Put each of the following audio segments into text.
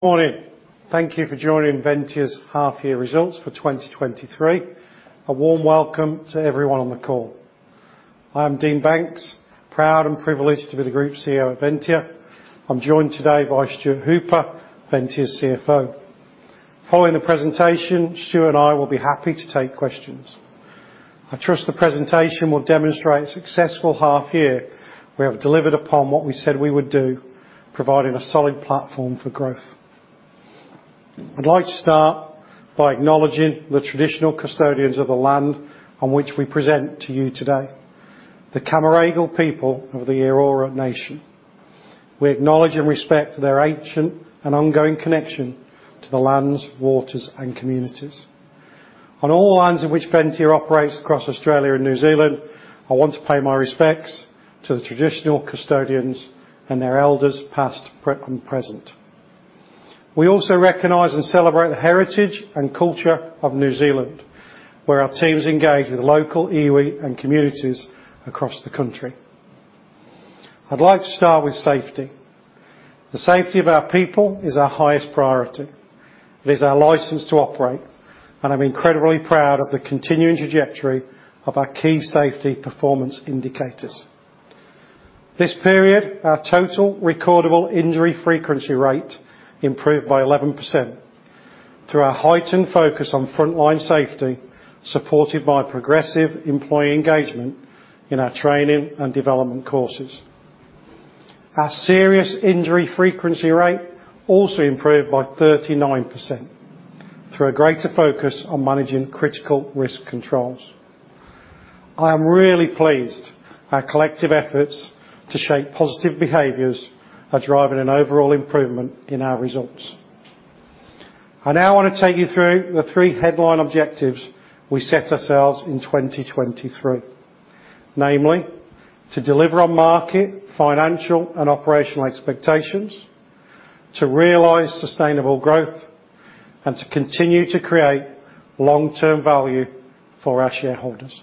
Morning. Thank you for joining Ventia's half-year results for 2023. A warm welcome to everyone on the call. I'm Dean Banks, proud and privileged to be the Group CEO of Ventia. I'm joined today by Stuart Hooper, Ventia's CFO. Following the presentation, Stu and I will be happy to take questions. I trust the presentation will demonstrate a successful half year. We have delivered upon what we said we would do, providing a solid platform for growth. I'd like to start by acknowledging the traditional custodians of the land on which we present to you today, the Cammeraygal people of the Eora Nation. We acknowledge and respect their ancient and ongoing connection to the lands, waters, and communities. On all lands in which Ventia operates across Australia and New Zealand, I want to pay my respects to the traditional custodians and their elders, past, present, and future. We also recognize and celebrate the heritage and culture of New Zealand, where our teams engage with local iwi and communities across the country. I'd like to start with safety. The safety of our people is our highest priority. It is our license to operate, and I'm incredibly proud of the continuing trajectory of our key safety performance indicators. This period, our total recordable injury frequency rate improved by 11% through our heightened focus on frontline safety, supported by progressive employee engagement in our training and development courses. Our serious injury frequency rate also improved by 39% through a greater focus on managing critical risk controls. I am really pleased our collective efforts to shape positive behaviors are driving an overall improvement in our results. I now want to take you through the three headline objectives we set ourselves in 2023. Namely, to deliver on market, financial, and operational expectations, to realize sustainable growth, and to continue to create long-term value for our shareholders.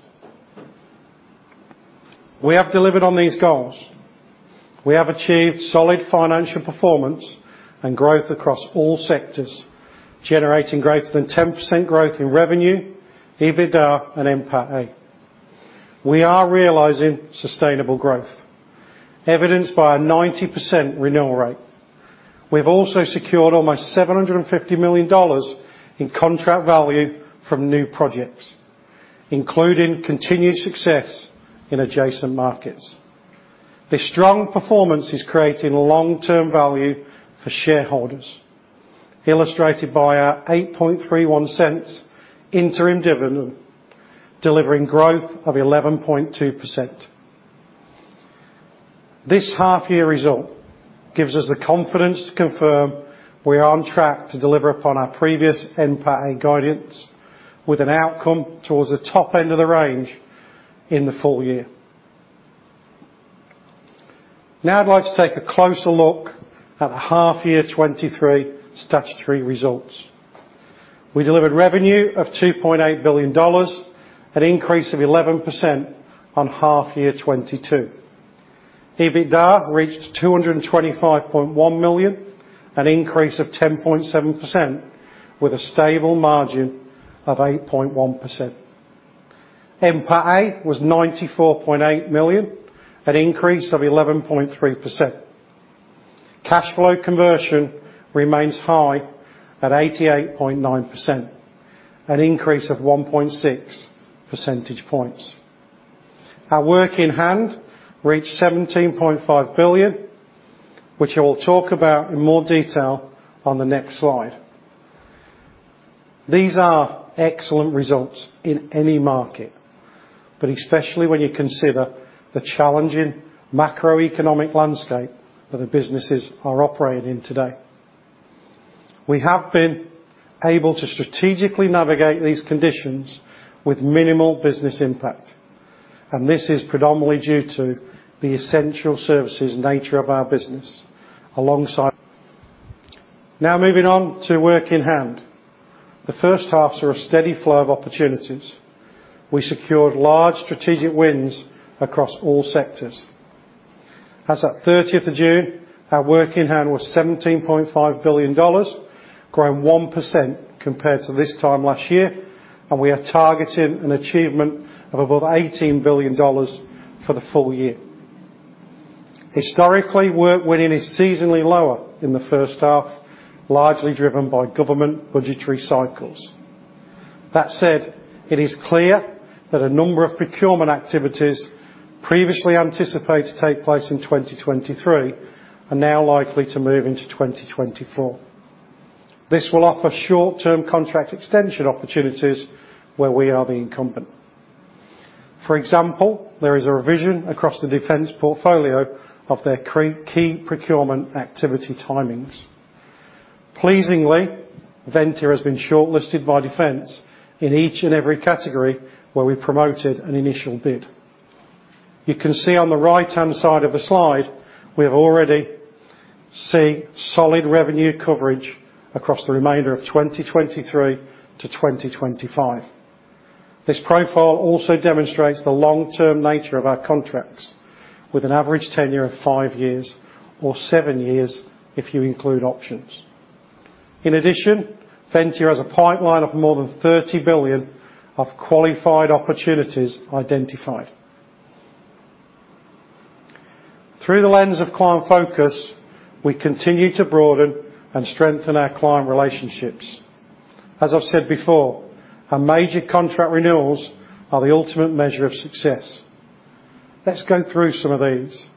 We have delivered on these goals. We have achieved solid financial performance and growth across all sectors, generating greater than 10% growth in revenue, EBITDA, and NPAT. We are realizing sustainable growth, evidenced by a 90% renewal rate. We have also secured almost 750 million dollars in contract value from new projects, including continued success in adjacent markets. This strong performance is creating long-term value for shareholders, illustrated by our 0.0831 interim dividend, delivering growth of 11.2%. This half-year result gives us the confidence to confirm we are on track to deliver upon our previous NPAT guidance, with an outcome towards the top end of the range in the full year. Now, I'd like to take a closer look at the half-year 2023 statutory results. We delivered revenue of 2.8 billion dollars, an increase of 11% on half-year 2022. EBITDA reached 225.1 million, an increase of 10.7%, with a stable margin of 8.1%. NPAT was 94.8 million, an increase of 11.3%. Cash flow conversion remains high at 88.9%, an increase of 1.6 percentage points. Our work in hand reached 17.5 billion, which I will talk about in more detail on the next slide. These are excellent results in any market, but especially when you consider the challenging macroeconomic landscape that the businesses are operating in today. We have been able to strategically navigate these conditions with minimal business impact, and this is predominantly due to the essential services nature of our business, alongside... Now, moving on to work in hand. The first half saw a steady flow of opportunities. We secured large strategic wins across all sectors. As at 30th of June, our work in hand was 17.5 billion dollars, growing 1% compared to this time last year, and we are targeting an achievement of above 18 billion dollars for the full year. Historically, work winning is seasonally lower in the first half, largely driven by government budgetary cycles. That said, it is clear that a number of procurement activities previously anticipated to take place in 2023 are now likely to move into 2024. This will offer short-term contract extension opportunities where we are the incumbent. For example, there is a revision across the defence portfolio of their key procurement activity timings. Pleasingly, Ventia has been shortlisted by Defence in each and every category where we promoted an initial bid. You can see on the right-hand side of the slide, we have already seen solid revenue coverage across the remainder of 2023-2025.... This profile also demonstrates the long-term nature of our contracts, with an average tenure of 5 years, or 7 years if you include options. In addition, Ventia has a pipeline of more than 30 billion of qualified opportunities identified. Through the lens of client focus, we continue to broaden and strengthen our client relationships. As I've said before, our major contract renewals are the ultimate measure of success. Let's go through some of these.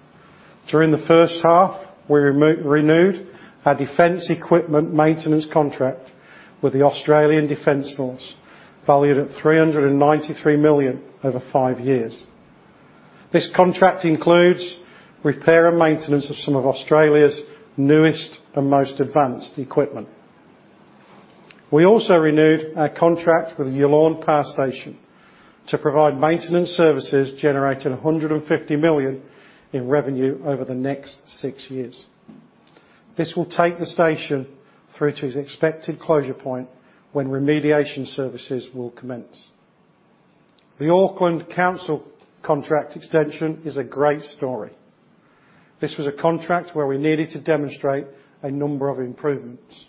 During the first half, we renewed our defence equipment maintenance contract with the Australian Defence Force, valued at 393 million over five years. This contract includes repair and maintenance of some of Australia's newest and most advanced equipment. We also renewed our contract with Yallourn Power Station to provide maintenance services, generating 150 million in revenue over the next six years. This will take the station through to its expected closure point, when remediation services will commence. The Auckland Council contract extension is a great story. This was a contract where we needed to demonstrate a number of improvements.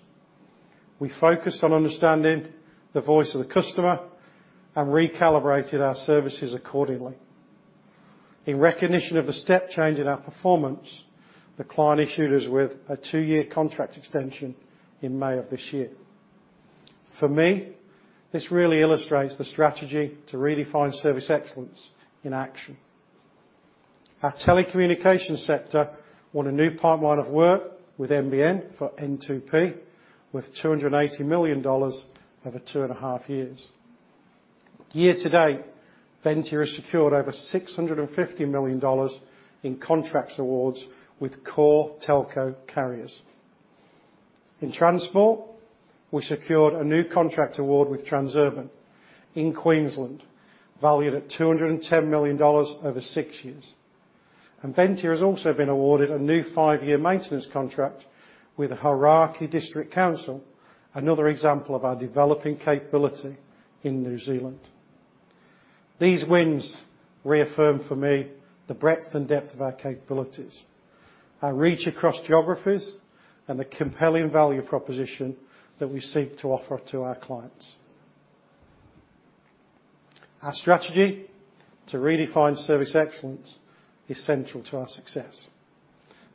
We focused on understanding the voice of the customer and recalibrated our services accordingly. In recognition of the step change in our performance, the client issued us with a two-year contract extension in May of this year. For me, this really illustrates the strategy to redefine service excellence in action. Our telecommunications sector won a new pipeline of work with NBN for N2P, with AUD 280 million over 2.5 years. Year-to-date, Ventia has secured over 650 million dollars in contracts awards with core telco carriers. In transport, we secured a new contract award with Transurban in Queensland, valued at 210 million dollars over 6 years. And Ventia has also been awarded a new 5-year maintenance contract with the Hauraki District Council, another example of our developing capability in New Zealand. These wins reaffirm for me the breadth and depth of our capabilities, our reach across geographies, and the compelling value proposition that we seek to offer to our clients. Our strategy to redefine service excellence is central to our success.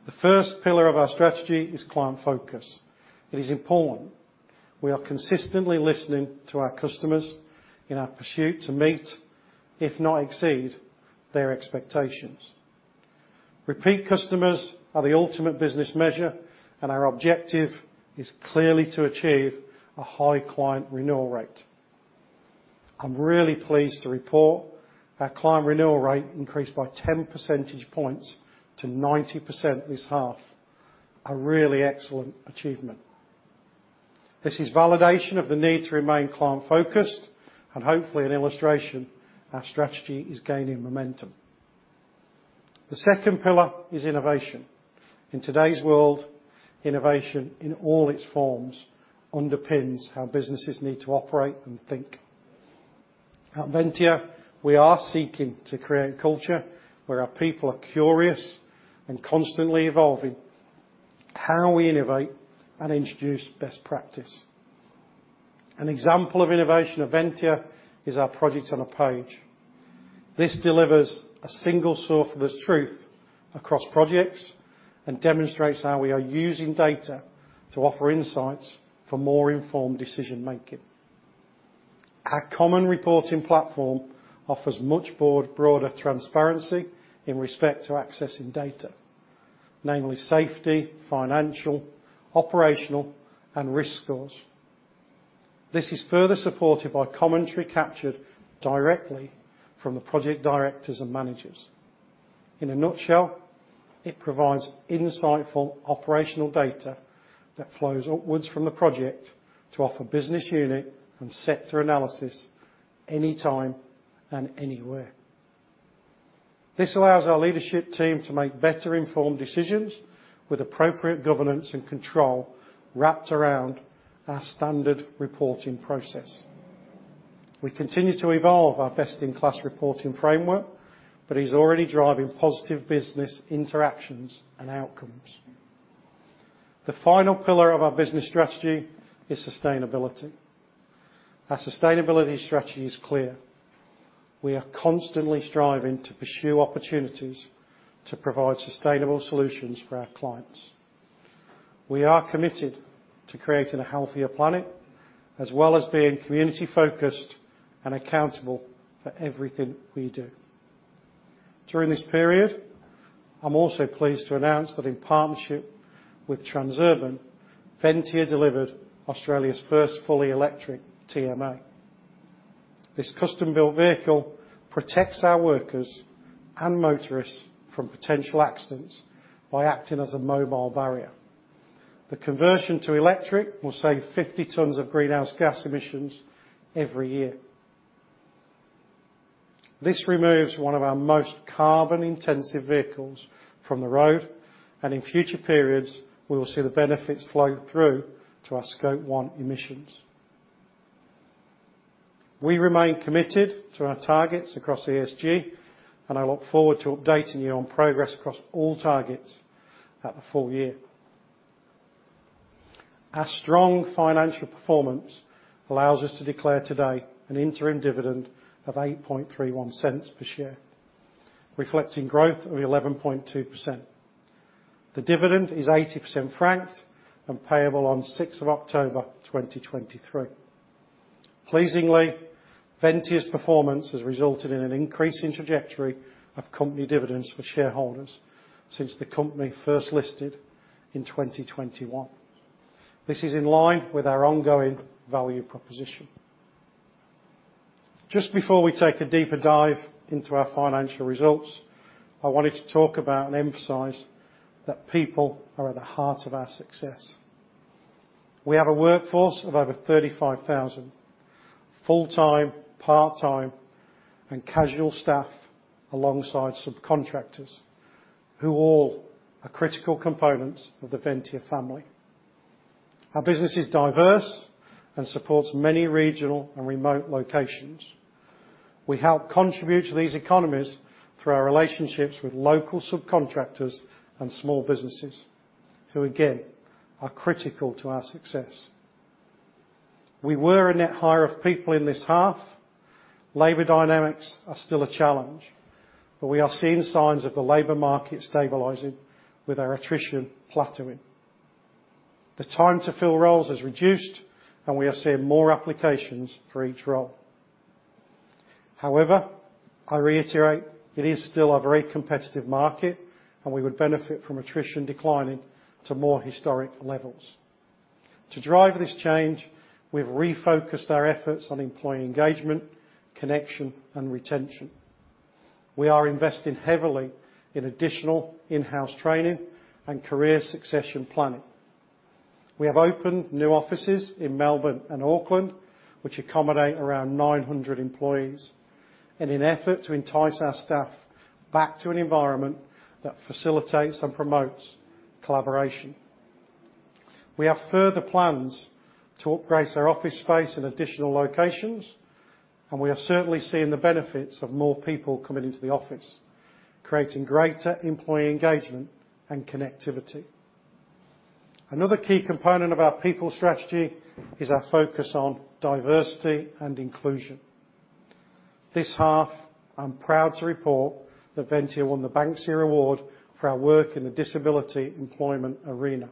The first pillar of our strategy is client focus. It is important we are consistently listening to our customers in our pursuit to meet, if not exceed, their expectations. Repeat customers are the ultimate business measure, and our objective is clearly to achieve a high client renewal rate. I'm really pleased to report our client renewal rate increased by 10 percentage points to 90% this half, a really excellent achievement. This is validation of the need to remain client-focused and hopefully an illustration our strategy is gaining momentum. The second pillar is innovation. In today's world, innovation, in all its forms, underpins how businesses need to operate and think. At Ventia, we are seeking to create a culture where our people are curious and constantly evolving, how we innovate and introduce best practice. An example of innovation at Ventia is our Project on a Page. This delivers a single source of the truth across projects and demonstrates how we are using data to offer insights for more informed decision-making. Our common reporting platform offers much broader transparency in respect to accessing data, namely safety, financial, operational, and risk scores. This is further supported by commentary captured directly from the project directors and managers. In a nutshell, it provides insightful operational data that flows upwards from the project to offer business unit and sector analysis anytime and anywhere. This allows our leadership team to make better informed decisions with appropriate governance and control wrapped around our standard reporting process. We continue to evolve our best-in-class reporting framework, but it's already driving positive business interactions and outcomes. The final pillar of our business strategy is sustainability. Our sustainability strategy is clear: We are constantly striving to pursue opportunities to provide sustainable solutions for our clients. We are committed to creating a healthier planet, as well as being community-focused and accountable for everything we do. During this period, I'm also pleased to announce that in partnership with Transurban, Ventia delivered Australia's first fully electric TMA. This custom-built vehicle protects our workers and motorists from potential accidents by acting as a mobile barrier. The conversion to electric will save 50 tons of greenhouse gas emissions every year. This removes one of our most carbon-intensive vehicles from the road, and in future periods, we will see the benefits flow through to our Scope 1 emissions. We remain committed to our targets across ESG, and I look forward to updating you on progress across all targets at the full year. Our strong financial performance allows us to declare today an interim dividend of 0.0831 per share, reflecting growth of 11.2%. The dividend is 80% franked and payable on sixth of October, 2023. Pleasingly, Ventia's performance has resulted in an increasing trajectory of company dividends for shareholders since the company first listed in 2021. This is in line with our ongoing value proposition. Just before we take a deeper dive into our financial results, I wanted to talk about and emphasize that people are at the heart of our success. We have a workforce of over 35,000 full-time, part-time, and casual staff, alongside subcontractors, who all are critical components of the Ventia family. Our business is diverse and supports many regional and remote locations. We help contribute to these economies through our relationships with local subcontractors and small businesses, who, again, are critical to our success. We were a net hire of people in this half. Labor dynamics are still a challenge, but we are seeing signs of the labor market stabilizing with our attrition plateauing. The time to fill roles has reduced, and we are seeing more applications for each role. However, I reiterate it is still a very competitive market, and we would benefit from attrition declining to more historic levels. To drive this change, we've refocused our efforts on employee engagement, connection, and retention. We are investing heavily in additional in-house training and career succession planning. We have opened new offices in Melbourne and Auckland, which accommodate around 900 employees, in an effort to entice our staff back to an environment that facilitates and promotes collaboration. We have further plans to upgrade our office space in additional locations, and we are certainly seeing the benefits of more people coming into the office, creating greater employee engagement and connectivity. Another key component of our people strategy is our focus on diversity and inclusion. This half, I'm proud to report that Ventia won the Banksia Award for our work in the disability employment arena.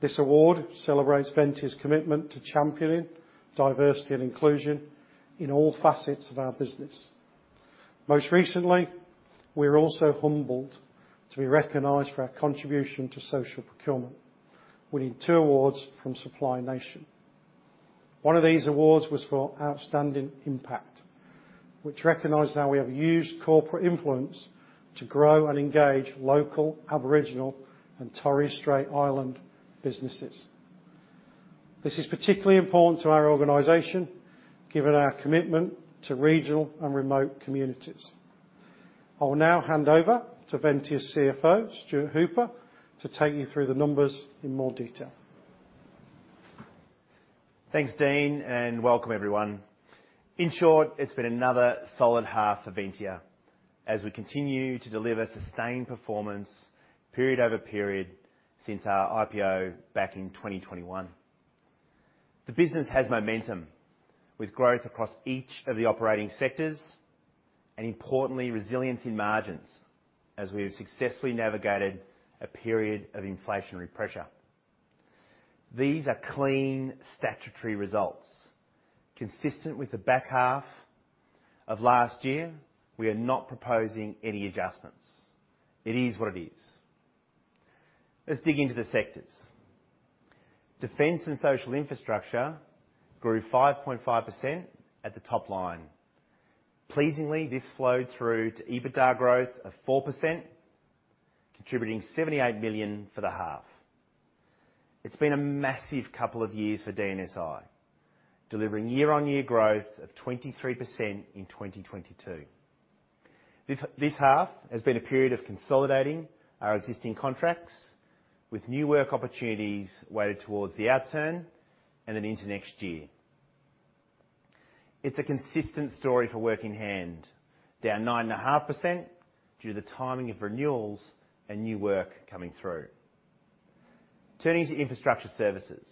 This award celebrates Ventia's commitment to championing diversity and inclusion in all facets of our business. Most recently, we were also humbled to be recognized for our contribution to social procurement, winning two awards from Supply Nation. One of these awards was for Outstanding Impact, which recognizes how we have used corporate influence to grow and engage local Aboriginal and Torres Strait Island businesses. This is particularly important to our organization, given our commitment to regional and remote communities. I will now hand over to Ventia's CFO, Stuart Hooper, to take you through the numbers in more detail. Thanks, Dean, and welcome everyone. In short, it's been another solid half for Ventia as we continue to deliver sustained performance period over period since our IPO back in 2021. The business has momentum, with growth across each of the operating sectors and, importantly, resilience in margins, as we have successfully navigated a period of inflationary pressure. These are clean, statutory results. Consistent with the back half of last year, we are not proposing any adjustments. It is what it is. Let's dig into the sectors. Defence and social infrastructure grew 5.5% at the top line. Pleasingly, this flowed through to EBITDA growth of 4%, contributing 78 million for the half. It's been a massive couple of years for DNSI, delivering year-on-year growth of 23% in 2022. This, this half has been a period of consolidating our existing contracts with new work opportunities weighted towards the outturn and then into next year. It's a consistent story for work in hand, down 9.5% due to the timing of renewals and new work coming through. Turning to infrastructure services.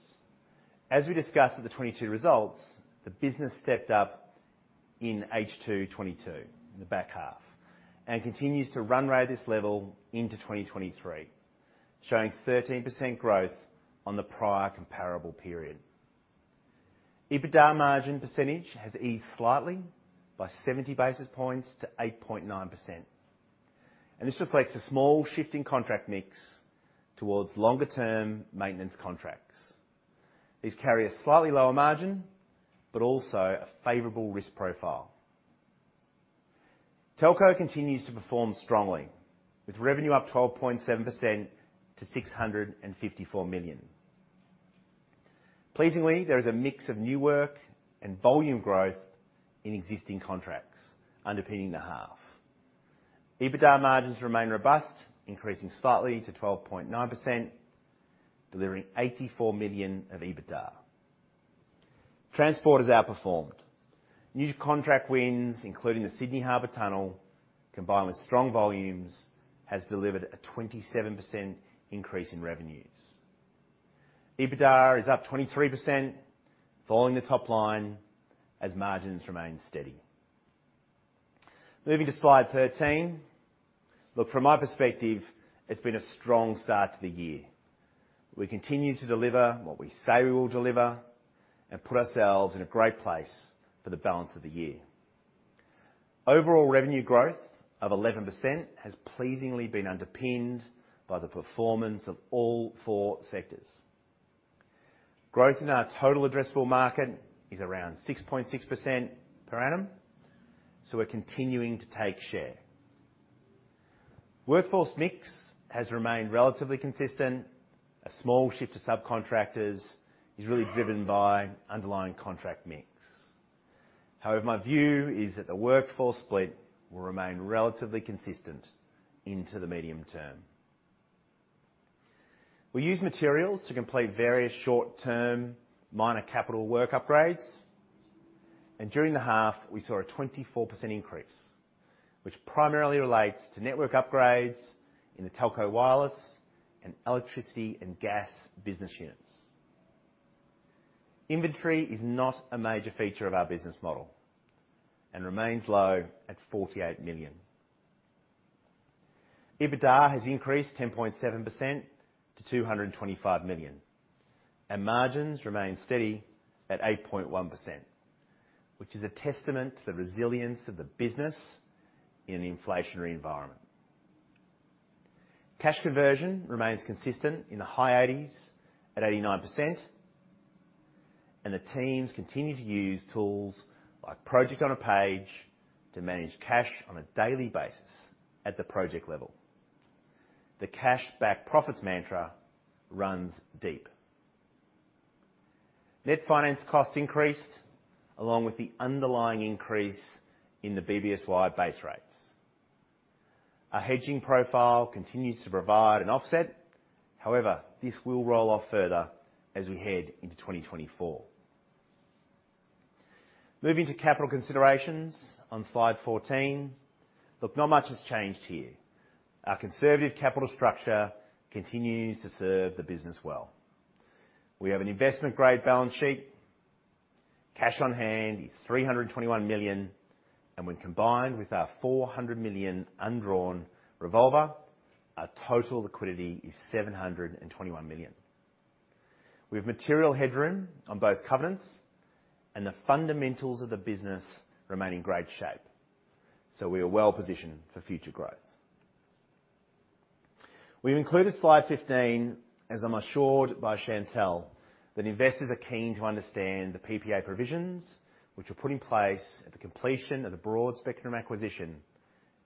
As we discussed at the 2022 results, the business stepped up in H2 2022, in the back half, and continues to run rate this level into 2023, showing 13% growth on the prior comparable period. EBITDA margin percentage has eased slightly by 70 basis points to 8.9%, and this reflects a small shift in contract mix towards longer-term maintenance contracts. These carry a slightly lower margin, but also a favorable risk profile. Telco continues to perform strongly, with revenue up 12.7% to 654 million. Pleasingly, there is a mix of new work and volume growth in existing contracts underpinning the half. EBITDA margins remain robust, increasing slightly to 12.9%, delivering 84 million of EBITDA. Transport has outperformed. New contract wins, including the Sydney Harbour Tunnel, combined with strong volumes, has delivered a 27% increase in revenues. EBITDA is up 23%, following the top line as margins remain steady. Moving to slide 13. Look, from my perspective, it's been a strong start to the year. We continue to deliver what we say we will deliver and put ourselves in a great place for the balance of the year. Overall revenue growth of 11% has pleasingly been underpinned by the performance of all four sectors. Growth in our total addressable market is around 6.6% per annum, so we're continuing to take share. Workforce mix has remained relatively consistent. A small shift to subcontractors is really driven by underlying contract mix. However, my view is that the workforce split will remain relatively consistent into the medium term. We use materials to complete various short-term, minor capital work upgrades, and during the half, we saw a 24% increase, which primarily relates to network upgrades in the telco, wireless, and electricity and gas business units. Inventory is not a major feature of our business model and remains low at 48 million. EBITDA has increased 10.7% to 225 million, and margins remain steady at 8.1%, which is a testament to the resilience of the business in an inflationary environment. Cash conversion remains consistent in the high 80s, at 89%, and the teams continue to use tools like Project on a Page to manage cash on a daily basis at the project level. The cash-backed profits mantra runs deep. Net finance costs increased, along with the underlying increase in the BBSY base rates. Our hedging profile continues to provide an offset. However, this will roll off further as we head into 2024. Moving to capital considerations on Slide 14. Look, not much has changed here. Our conservative capital structure continues to serve the business well. We have an investment-grade balance sheet. Cash on hand is 321 million, and when combined with our 400 million undrawn revolver, our total liquidity is 721 million. We have material headroom on both covenants and the fundamentals of the business remain in great shape, so we are well positioned for future growth. We've included Slide 15, as I'm assured by Chantal that investors are keen to understand the PPA provisions, which were put in place at the completion of the Broadspectrum acquisition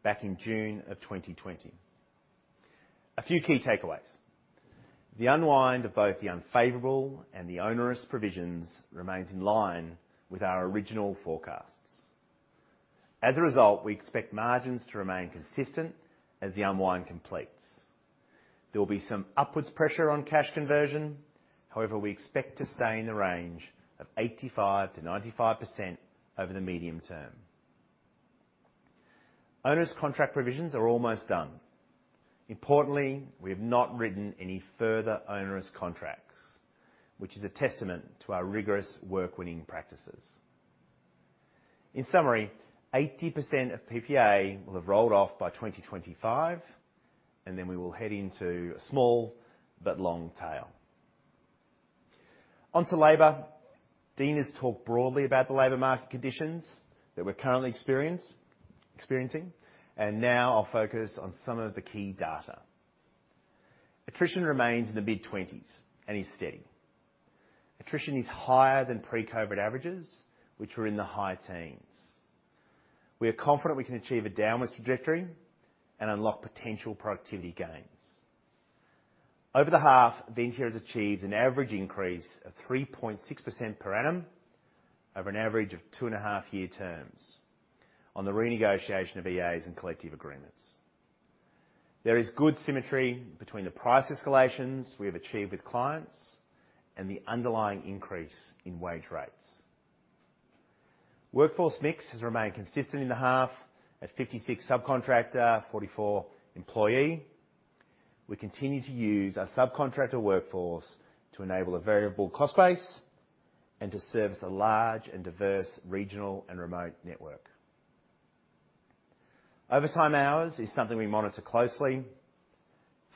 back in June 2020. A few key takeaways: The unwind of both the unfavorable and the onerous provisions remains in line with our original forecasts. As a result, we expect margins to remain consistent as the unwind completes. There will be some upwards pressure on cash conversion. However, we expect to stay in the range of 85%-95% over the medium term. Onerous contract provisions are almost done. Importantly, we have not written any further onerous contracts, which is a testament to our rigorous work winning practices. In summary, 80% of PPA will have rolled off by 2025, and then we will head into a small but long tail. On to labor. Dean's talked broadly about the labor market conditions that we're currently experiencing, and now I'll focus on some of the key data. Attrition remains in the mid-20s and is steady. Attrition is higher than pre-COVID averages, which were in the high teens. We are confident we can achieve a downward trajectory and unlock potential productivity gains. Over the half, Ventia has achieved an average increase of 3.6% per annum over an average of 2.5-year terms on the renegotiation of EAs and collective agreements. There is good symmetry between the price escalations we have achieved with clients and the underlying increase in wage rates. Workforce mix has remained consistent in the half at 56 subcontractor, 44 employee. We continue to use our subcontractor workforce to enable a variable cost base and to service a large and diverse regional and remote network. Overtime hours is something we monitor closely.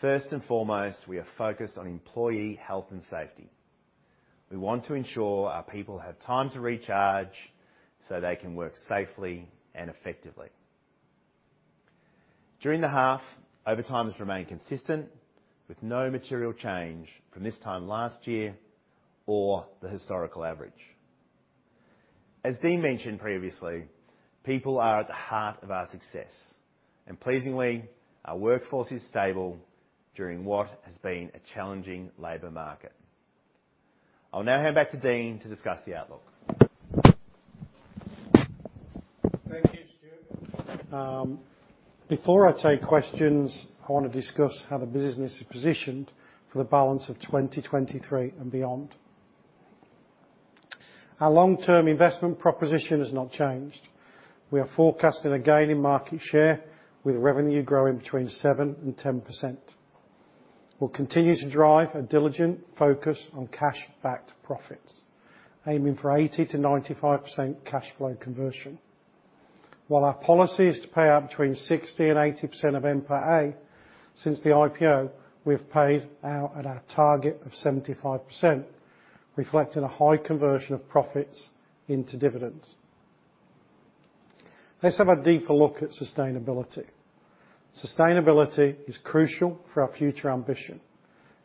First and foremost, we are focused on employee health and safety. We want to ensure our people have time to recharge so they can work safely and effectively. During the half, overtime has remained consistent, with no material change from this time last year or the historical average. As Dean mentioned previously, people are at the heart of our success, and pleasingly, our workforce is stable during what has been a challenging labor market. I'll now hand back to Dean to discuss the outlook. Thank you, Stuart. Before I take questions, I want to discuss how the business is positioned for the balance of 2023 and beyond. Our long-term investment proposition has not changed. We are forecasting a gain in market share, with revenue growing between 7% and 10%. We'll continue to drive a diligent focus on cash-backed profits, aiming for 80%-95% cash flow conversion. While our policy is to pay out between 60% and 80% of NPAT, since the IPO, we've paid out at our target of 75%, reflecting a high conversion of profits into dividends. Let's have a deeper look at sustainability. Sustainability is crucial for our future ambition,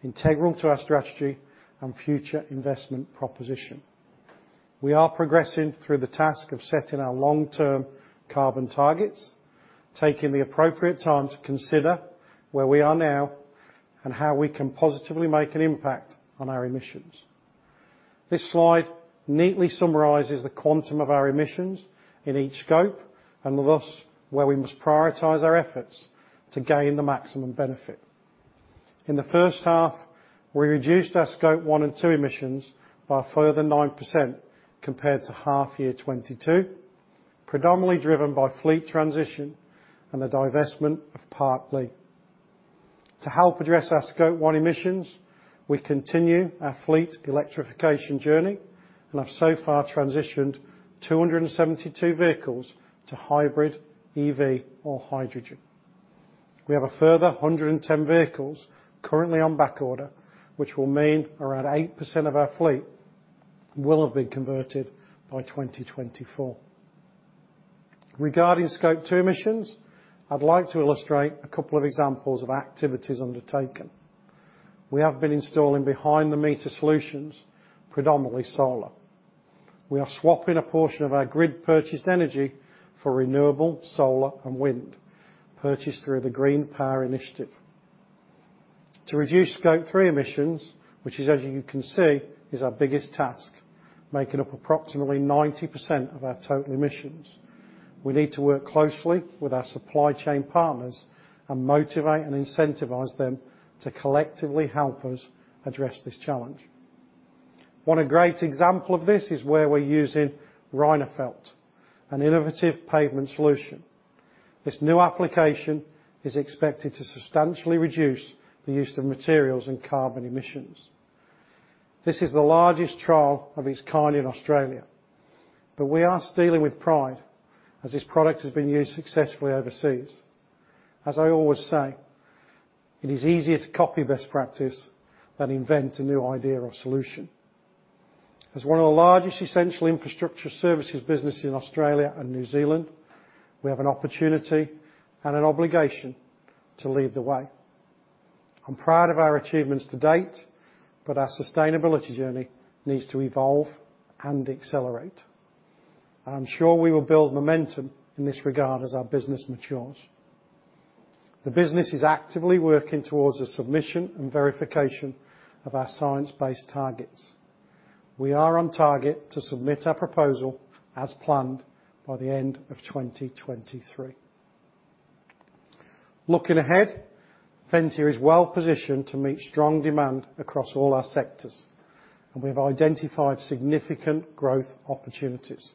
integral to our strategy and future investment proposition. We are progressing through the task of setting our long-term carbon targets, taking the appropriate time to consider where we are now and how we can positively make an impact on our emissions. This slide neatly summarizes the quantum of our emissions in each scope, and thus, where we must prioritize our efforts to gain the maximum benefit. In the first half, we reduced our Scope 1 and 2 emissions by a further 9% compared to H1 2022, predominantly driven by fleet transition and the divestment of Parklea. To help address our Scope 1 emissions, we continue our fleet electrification journey and have so far transitioned 272 vehicles to hybrid EV or hydrogen. We have a further 110 vehicles currently on backorder, which will mean around 8% of our fleet will have been converted by 2024. Regarding Scope 2 emissions, I'd like to illustrate a couple of examples of activities undertaken. We have been installing behind-the-meter solutions, predominantly solar. We are swapping a portion of our grid-purchased energy for renewable solar and wind, purchased through the GreenPower Initiative. To reduce Scope 3 emissions, which is, as you can see, is our biggest task, making up approximately 90% of our total emissions. We need to work closely with our supply chain partners and motivate and incentivize them to collectively help us address this challenge. One great example of this is where we're using Rhinophalt, an innovative pavement solution. This new application is expected to substantially reduce the use of materials and carbon emissions. This is the largest trial of its kind in Australia, but we are stealing with pride as this product has been used successfully overseas. As I always say, it is easier to copy best practice than invent a new idea or solution. As one of the largest essential infrastructure services business in Australia and New Zealand, we have an opportunity and an obligation to lead the way. I'm proud of our achievements to date, but our sustainability journey needs to evolve and accelerate. I'm sure we will build momentum in this regard as our business matures. The business is actively working towards a submission and verification of our science-based targets. We are on target to submit our proposal as planned by the end of 2023. Looking ahead, Ventia is well-positioned to meet strong demand across all our sectors, and we have identified significant growth opportunities.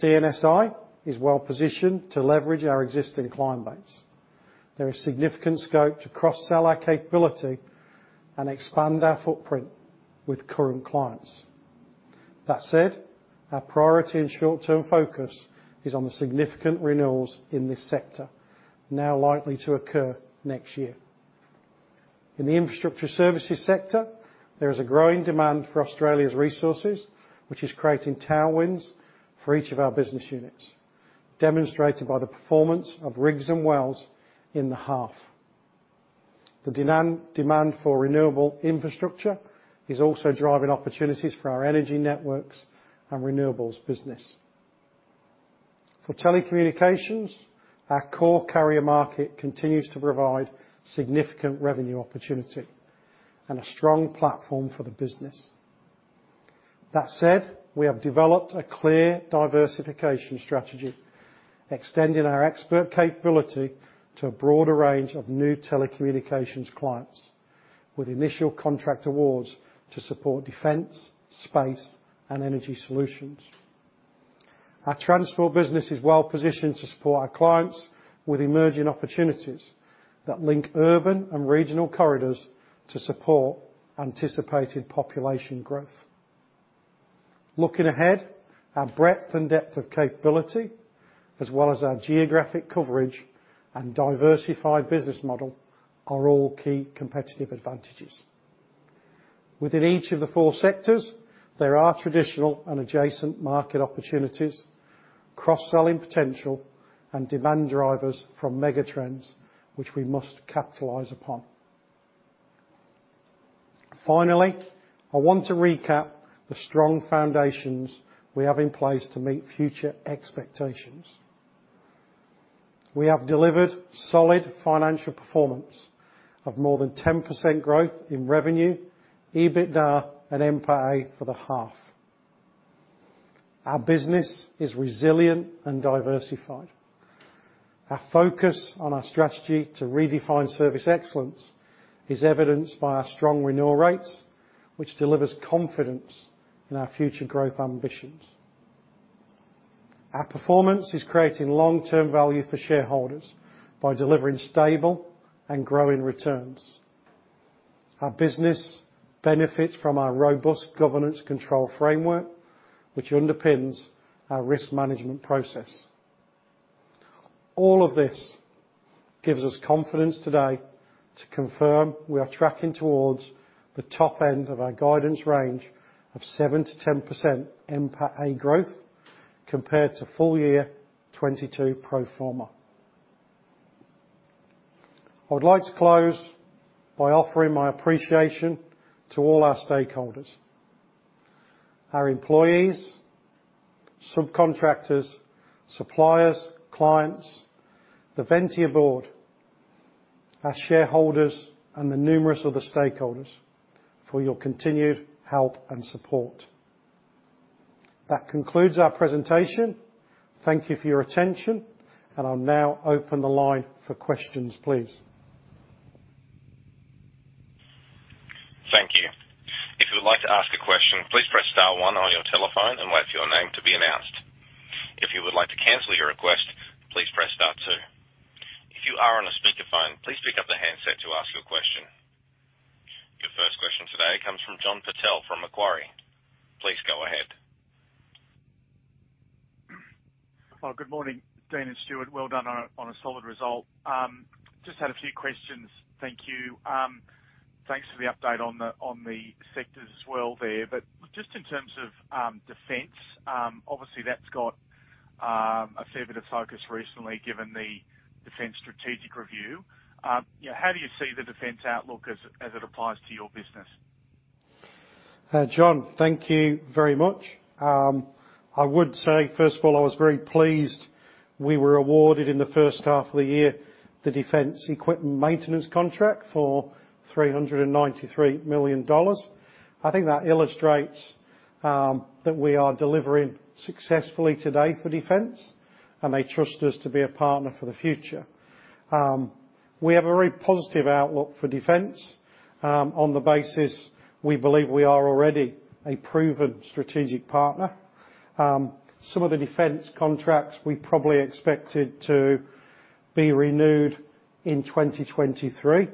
DNSI is well-positioned to leverage our existing client base. There is significant scope to cross-sell our capability and expand our footprint with current clients. That said, our priority and short-term focus is on the significant renewals in this sector, now likely to occur next year. In the infrastructure services sector, there is a growing demand for Australia's resources, which is creating tailwinds for each of our business units, demonstrated by the performance of rigs and wells in the half. The demand for renewable infrastructure is also driving opportunities for our energy networks and renewables business. For telecommunications, our core carrier market continues to provide significant revenue opportunity and a strong platform for the business. That said, we have developed a clear diversification strategy, extending our expert capability to a broader range of new telecommunications clients, with initial contract awards to support defence, space, and energy solutions. Our transport business is well positioned to support our clients with emerging opportunities that link urban and regional corridors to support anticipated population growth. Looking ahead, our breadth and depth of capability, as well as our geographic coverage and diversified business model, are all key competitive advantages. Within each of the four sectors, there are traditional and adjacent market opportunities, cross-selling potential, and demand drivers from megatrends, which we must capitalize upon. Finally, I want to recap the strong foundations we have in place to meet future expectations. We have delivered solid financial performance of more than 10% growth in revenue, EBITDA, and NPAT for the half. Our business is resilient and diversified. Our focus on our strategy to redefine service excellence is evidenced by our strong renewal rates, which delivers confidence in our future growth ambitions. Our performance is creating long-term value for shareholders by delivering stable and growing returns. Our business benefits from our robust governance control framework, which underpins our risk management process. All of this gives us confidence today to confirm we are tracking towards the top end of our guidance range of 7%-10% NPAT growth compared to full year 2022 pro forma. I would like to close by offering my appreciation to all our stakeholders, our employees, subcontractors, suppliers, clients, the Ventia board, our shareholders, and the numerous other stakeholders for your continued help and support. That concludes our presentation. Thank you for your attention, and I'll now open the line for questions, please. Thank you. If you would like to ask a question, please press star one on your telephone and wait for your name to be announced. If you would like to cancel your request, please press star two. If you are on a speakerphone, please pick up the handset to ask your question. Your first question today comes from John Purtell from Macquarie. Please go ahead. Well, good morning, Dean and Stuart. Well done on a, on a solid result. Just had a few questions. Thank you. Thanks for the update on the, on the sectors as well there. But just in terms of, defence, obviously that's got, a fair bit of focus recently, given the Defence Strategic Review. How do you see the defence outlook as, as it applies to your business? John, thank you very much. I would say, first of all, I was very pleased we were awarded, in the first half of the year, the Defence Equipment Maintenance contract for 393 million dollars. I think that illustrates that we are delivering successfully today for defence, and they trust us to be a partner for the future. We have a very positive outlook for defence, on the basis we believe we are already a proven strategic partner. Some of the defence contracts we probably expected to be renewed in 2023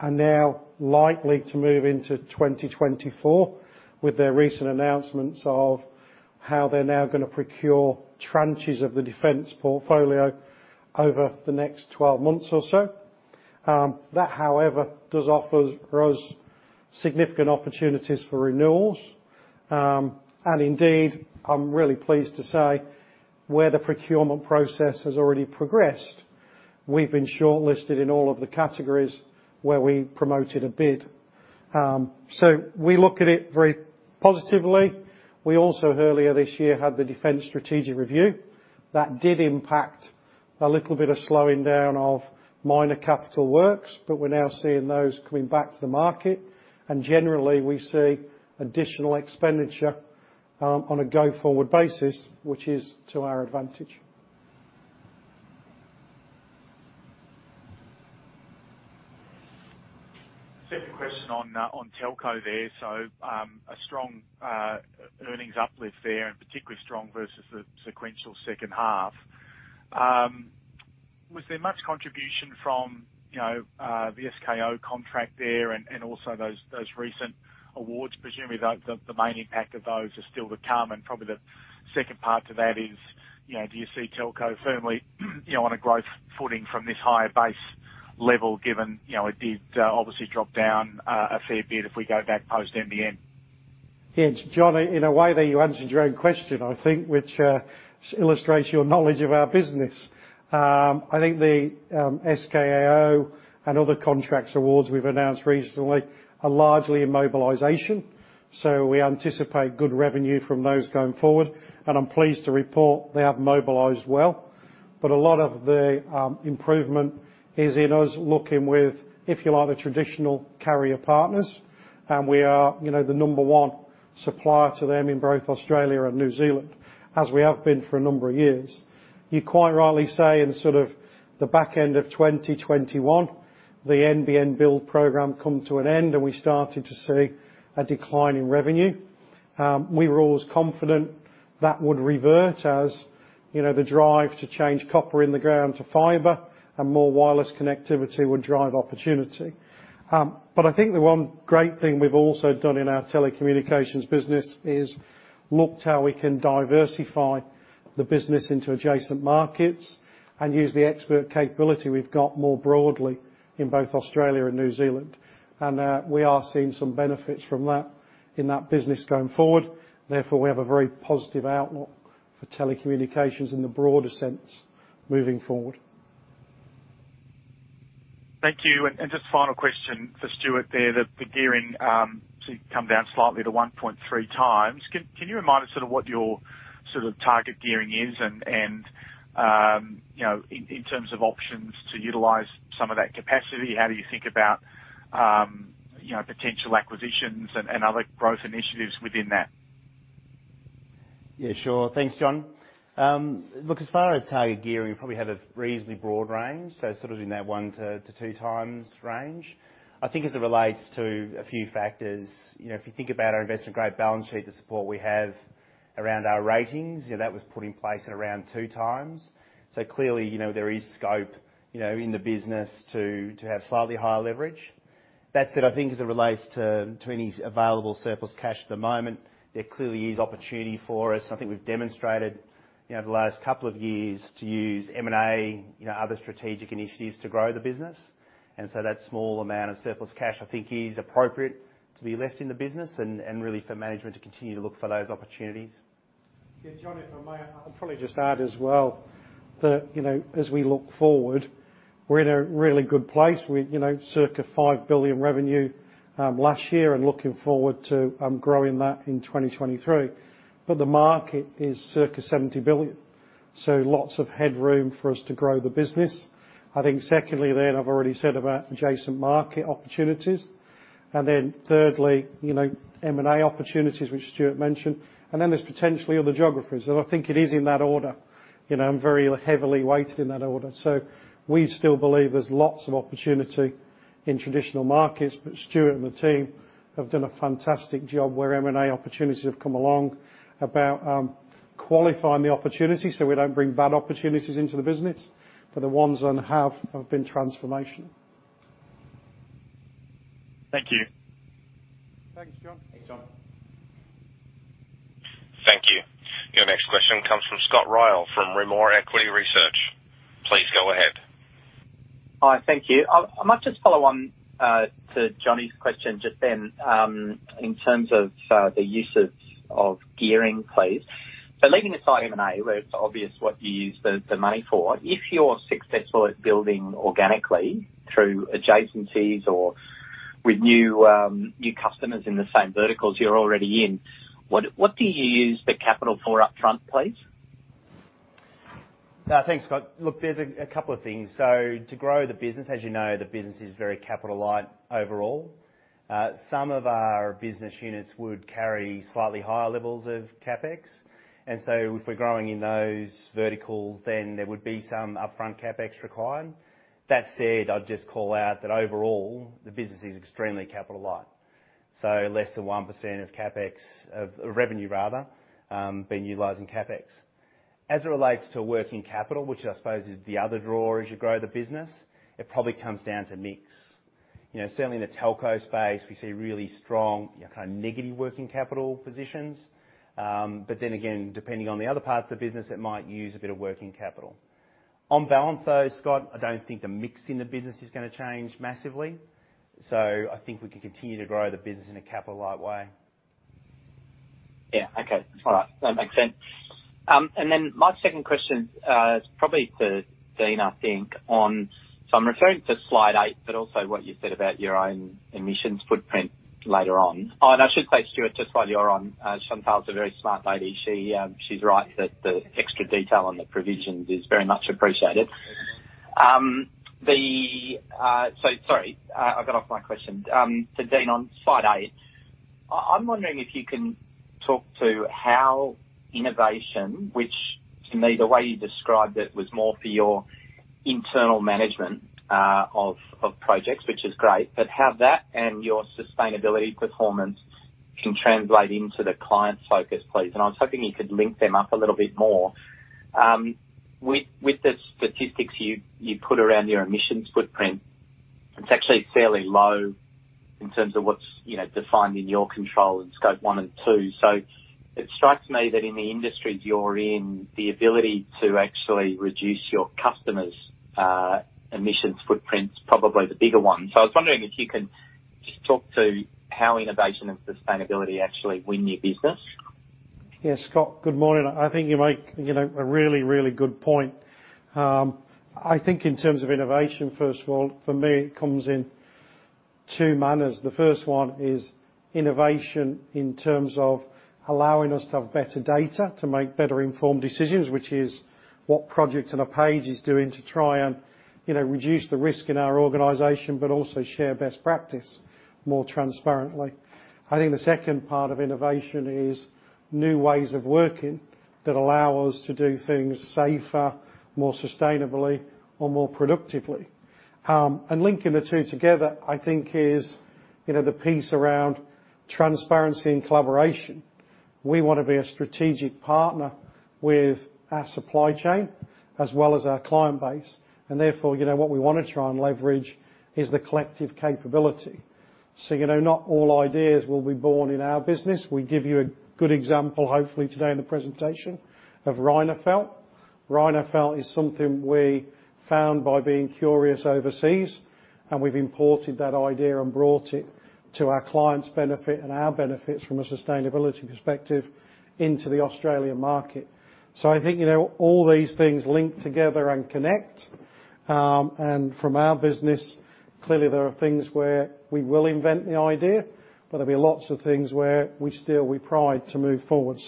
are now likely to move into 2024, with their recent announcements of how they're now going to procure tranches of the defence portfolio over the next 12 months or so. That, however, does offer us significant opportunities for renewals. And indeed, I'm really pleased to say, where the procurement process has already progressed, we've been shortlisted in all of the categories where we promoted a bid. So we look at it very positively. We also, earlier this year, had the Defence Strategic Review. That did impact a little bit of slowing down of minor capital works, but we're now seeing those coming back to the market, and generally, we see additional expenditure, on a go-forward basis, which is to our advantage. Second question on telco there. So, a strong earnings uplift there, and particularly strong versus the sequential second half. Was there much contribution from, you know, the SKAO contract there and also those recent awards? Presumably, the main impact of those are still to come. And probably the second part to that is, you know, do you see telco firmly, you know, on a growth footing from this higher base level, given, you know, it did obviously drop down a fair bit if we go back post-NBN? Yes, John, in a way there, you answered your own question, I think, which illustrates your knowledge of our business. I think the SKAO and other contracts awards we've announced recently are largely in mobilization, so we anticipate good revenue from those going forward, and I'm pleased to report they have mobilized well. But a lot of the improvement is in us looking with, if you like, the traditional carrier partners, and we are, you know, the number one supplier to them in both Australia and New Zealand, as we have been for a number of years. You quite rightly say, in sort of the back end of 2021, the NBN build program come to an end, and we started to see a decline in revenue. We were always confident that would revert as, you know, the drive to change copper in the ground to fiber and more wireless connectivity would drive opportunity. But I think the one great thing we've also done in our telecommunications business is looked how we can diversify the business into adjacent markets and use the expert capability we've got more broadly in both Australia and New Zealand. We are seeing some benefits from that in that business going forward. Therefore, we have a very positive outlook for telecommunications in the broader sense moving forward. Thank you. And just final question for Stuart there, the gearing to come down slightly to 1.3 times. Can you remind us sort of what your sort of target gearing is and, you know, in terms of options to utilize some of that capacity, how do you think about, you know, potential acquisitions and other growth initiatives within that? Yeah, sure. Thanks, John. Look, as far as target gearing, we probably have a reasonably broad range, so sort of in that 1-2 times range. I think as it relates to a few factors, you know, if you think about our investment grade balance sheet, the support we have around our ratings, you know, that was put in place at around 2 times. So clearly, you know, there is scope, you know, in the business to have slightly higher leverage. That said, I think as it relates to any available surplus cash at the moment, there clearly is opportunity for us. I think we've demonstrated, you know, over the last couple of years to use M&A, you know, other strategic initiatives to grow the business. So that small amount of surplus cash, I think, is appropriate to be left in the business and really for management to continue to look for those opportunities. Yeah, John, if I may, I'll probably just add as well that, you know, as we look forward, we're in a really good place. We, you know, circa 5 billion revenue last year and looking forward to growing that in 2023. But the market is circa 70 billion, so lots of headroom for us to grow the business. I think secondly, then, I've already said about adjacent market opportunities. And then thirdly, you know, M&A opportunities, which Stuart mentioned, and then there's potentially other geographies. And I think it is in that order, you know, and very heavily weighted in that order. So we still believe there's lots of opportunity in traditional markets. But Stuart and the team have done a fantastic job where M&A opportunities have come along, about qualifying the opportunity so we don't bring bad opportunities into the business, but the ones on have been transformational. Thank you. Thanks, John. Thanks, John. Thank you. Your next question comes from Scott Ryall, from Rimor Equity Research. Please go ahead. Hi, thank you. I might just follow on to Johnny's question just then, in terms of the uses of gearing, please. So leaving aside M&A, where it's obvious what you use the money for, if you're successful at building organically through adjacencies or with new customers in the same verticals you're already in, what do you use the capital for upfront, please? Thanks, Scott. Look, there's a couple of things. So to grow the business, as you know, the business is very capital light overall. Some of our business units would carry slightly higher levels of CapEx, and so if we're growing in those verticals, then there would be some upfront CapEx required. That said, I'd just call out that overall, the business is extremely capital light, so less than 1% of CapEx... of revenue rather being utilized in CapEx. As it relates to working capital, which I suppose is the other draw as you grow the business, it probably comes down to mix. You know, certainly in the telco space, we see really strong, you know, kind of negative working capital positions. But then again, depending on the other parts of the business, it might use a bit of working capital. On balance, though, Scott, I don't think the mix in the business is gonna change massively, so I think we can continue to grow the business in a capital light way. Yeah. Okay. All right. That makes sense. And then my second question is probably to Dean, I think, on... So I'm referring to slide 8, but also what you said about your own emissions footprint later on. Oh, and I should say, Stuart, just while you're on, Chantal is a very smart lady. She, she's right that the extra detail on the provisions is very much appreciated. So sorry, I got off my question. So Dean, on slide 8, I'm wondering if you can talk to how innovation, which to me, the way you described it, was more for your internal management of projects, which is great, but how that and your sustainability performance can translate into the client focus, please. And I was hoping you could link them up a little bit more. With the statistics you put around your emissions footprint, it's actually fairly low in terms of what's, you know, defined in your control in scope one and two. So it strikes me that in the industries you're in, the ability to actually reduce your customers' emissions footprint is probably the bigger one. So I was wondering if you can just talk to how innovation and sustainability actually win new business? Yeah, Scott, good morning. I think you make, you know, a really, really good point. I think in terms of innovation, first of all, for me, it comes in two manners. The first one is innovation in terms of allowing us to have better data, to make better informed decisions, which is what Project on a Page is doing to try and, you know, reduce the risk in our organization, but also share best practice more transparently. I think the second part of innovation is new ways of working that allow us to do things safer, more sustainably or more productively. And linking the two together, I think is, you know, the piece around transparency and collaboration. We want to be a strategic partner with our supply chain as well as our client base, and therefore, you know, what we want to try and leverage is the collective capability. So, you know, not all ideas will be born in our business. We give you a good example, hopefully today in the presentation, of Rhinophalt. Rhinophalt is something we found by being curious overseas... and we've imported that idea and brought it to our clients' benefit and our benefits from a sustainability perspective into the Australian market. So I think, you know, all these things link together and connect. And from our business, clearly, there are things where we will invent the idea, but there'll be lots of things where we steal with pride to move forward.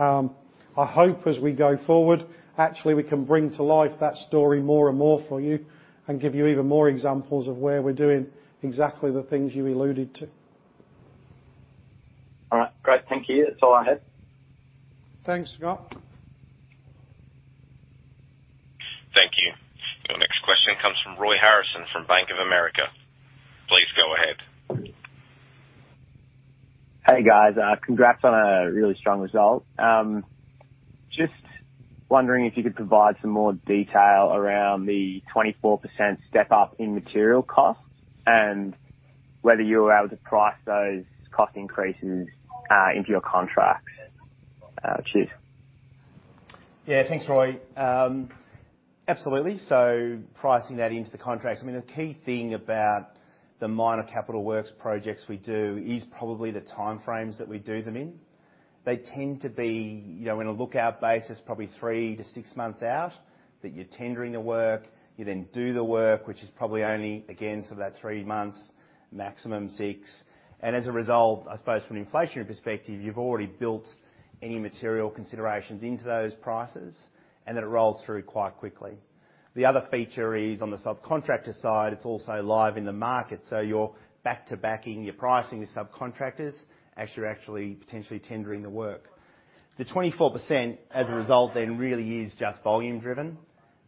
I hope as we go forward, actually, we can bring to life that story more and more for you and give you even more examples of where we're doing exactly the things you alluded to. All right. Great. Thank you. That's all I had. Thanks, Scott. Thank you. Your next question comes from Roy Harrison from Bank of America. Please go ahead. Hey, guys, congrats on a really strong result. Just wondering if you could provide some more detail around the 24% step-up in material costs and whether you were able to price those cost increases into your contracts? Cheers. Yeah, thanks, Roy. Absolutely. So pricing that into the contracts, I mean, the key thing about the minor capital works projects we do is probably the time frames that we do them in. They tend to be, you know, on a lookout basis, probably 3-6 months out, that you're tendering the work. You then do the work, which is probably only, again, sort of that 3 months, maximum 6. And as a result, I suppose from an inflationary perspective, you've already built any material considerations into those prices, and then it rolls through quite quickly. The other feature is on the subcontractor side, it's also live in the market, so you're back-to-back in your pricing with subcontractors as you're actually potentially tendering the work. The 24%, as a result, then, really is just volume driven,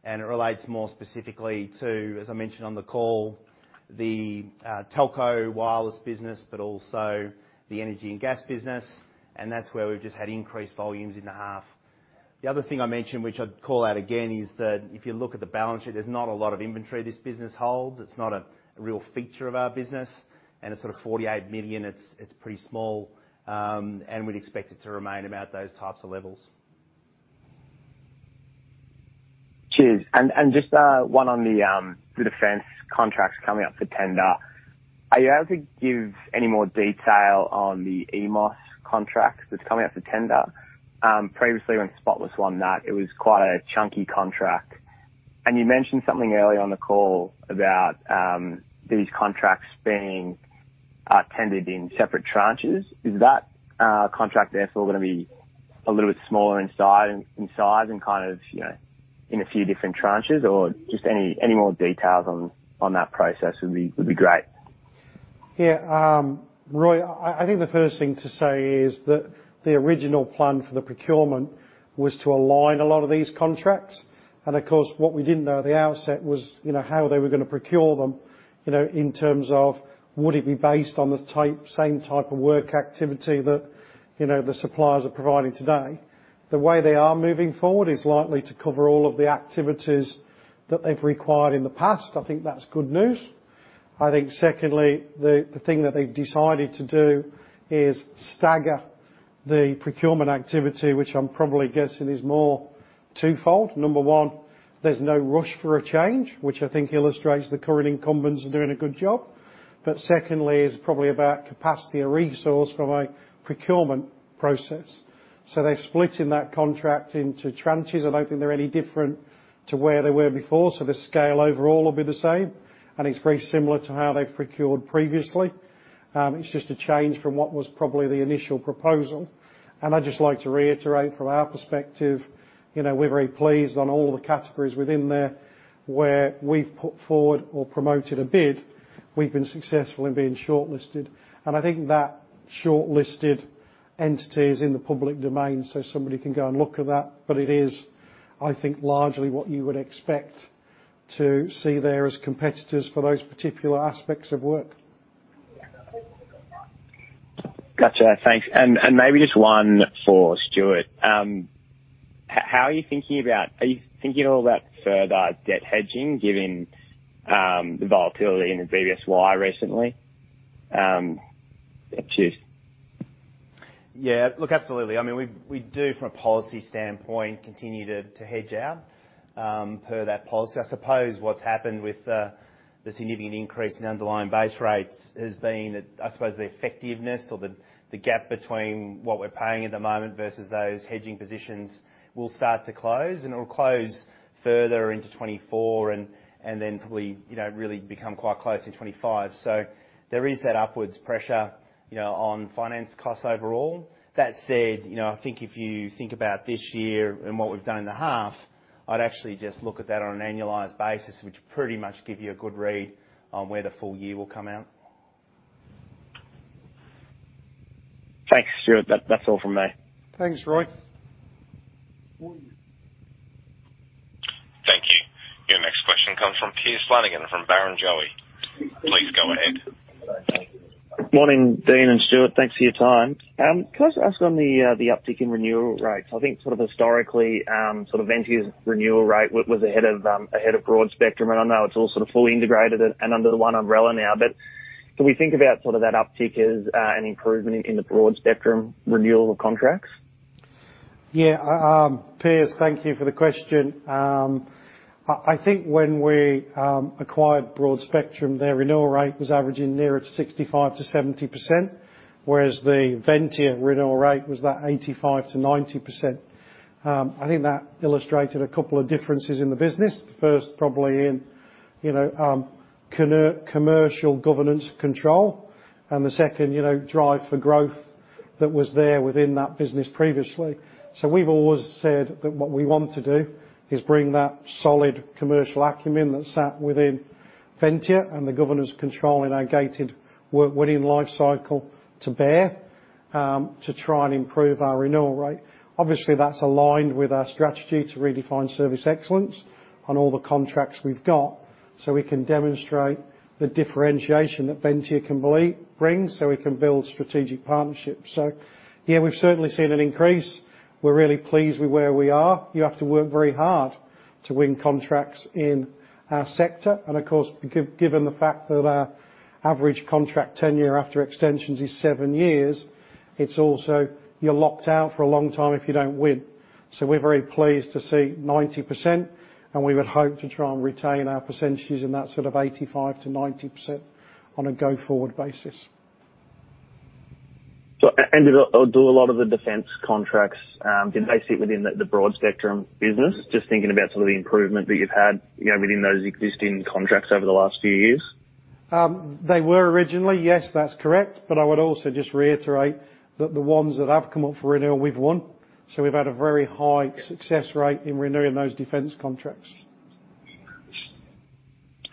and it relates more specifically to, as I mentioned on the call, the telco wireless business, but also the energy and gas business, and that's where we've just had increased volumes in the half. The other thing I mentioned, which I'd call out again, is that if you look at the balance sheet, there's not a lot of inventory this business holds. It's not a real feature of our business, and it's sort of 48 million. It's pretty small, and we'd expect it to remain about those types of levels. Cheers. And just one on the defence contracts coming up for tender. Are you able to give any more detail on the EMOS contract that's coming out for tender? Previously, when Spotless won that, it was quite a chunky contract, and you mentioned something earlier on the call about these contracts being tendered in separate tranches. Is that contract therefore gonna be a little bit smaller in size, in size and kind of, you know, in a few different tranches, or just any more details on that process would be great. Yeah, Roy, I think the first thing to say is that the original plan for the procurement was to align a lot of these contracts. And of course, what we didn't know at the outset was, you know, how they were gonna procure them, you know, in terms of would it be based on the type-- same type of work activity that, you know, the suppliers are providing today? The way they are moving forward is likely to cover all of the activities that they've required in the past. I think that's good news. I think secondly, the thing that they've decided to do is stagger the procurement activity, which I'm probably guessing is more twofold. Number one, there's no rush for a change, which I think illustrates the current incumbents are doing a good job. But secondly, it's probably about capacity or resource from a procurement process. So they're splitting that contract into tranches. I don't think they're any different to where they were before, so the scale overall will be the same, and it's very similar to how they've procured previously. It's just a change from what was probably the initial proposal. And I'd just like to reiterate from our perspective, you know, we're very pleased on all the categories within there, where we've put forward or promoted a bid, we've been successful in being shortlisted. And I think that shortlisted entity is in the public domain, so somebody can go and look at that. But it is, I think, largely what you would expect to see there as competitors for those particular aspects of work. Gotcha. Thanks. And maybe just one for Stuart. Are you thinking at all about further debt hedging, given the volatility in the BBSY recently? Cheers. Yeah, look, absolutely. I mean, we do, from a policy standpoint, continue to hedge out per that policy. I suppose what's happened with the significant increase in underlying base rates has been, I suppose, the effectiveness or the gap between what we're paying at the moment versus those hedging positions will start to close, and it'll close further into 2024 and then probably, you know, really become quite close in 2025. So there is that upwards pressure, you know, on finance costs overall. That said, you know, I think if you think about this year and what we've done in the half, I'd actually just look at that on an annualized basis, which pretty much give you a good read on where the full year will come out. Thanks, Stuart. That's all from me. Thanks, Roy. Thank you. Your next question comes from Piers Flanagan from Barrenjoey. Please go ahead. Morning, Dean and Stuart. Thanks for your time. Can I just ask on the uptick in renewal rates? I think sort of historically, sort of Ventia's renewal rate was ahead of Broadspectrum, and I know it's all sort of fully integrated and under the one umbrella now. But do we think about sort of that uptick as an improvement in the Broadspectrum renewal of contracts?... Yeah, Piers, thank you for the question. I think when we acquired Broadspectrum, their renewal rate was averaging nearer to 65%-70%, whereas the Ventia renewal rate was about 85%-90%. I think that illustrated a couple of differences in the business. First, probably in, you know, commercial governance control, and the second, you know, drive for growth that was there within that business previously. So we've always said that what we want to do is bring that solid commercial acumen that sat within Ventia and the governance control in our gated work winning life cycle to bear, to try and improve our renewal rate. Obviously, that's aligned with our strategy to redefine service excellence on all the contracts we've got, so we can demonstrate the differentiation that Ventia can bring, so we can build strategic partnerships. So yeah, we've certainly seen an increase. We're really pleased with where we are. You have to work very hard to win contracts in our sector, and of course, given the fact that our average contract tenure after extensions is seven years, it's also you're locked out for a long time if you don't win. So we're very pleased to see 90%, and we would hope to try and retain our percentages in that sort of 85%-90% on a go-forward basis. Do a lot of the defence contracts sit within the Broadspectrum business? Just thinking about some of the improvement that you've had, you know, within those existing contracts over the last few years. They were originally. Yes, that's correct. But I would also just reiterate that the ones that have come up for renewal, we've won. So we've had a very high success rate in renewing those defence contracts.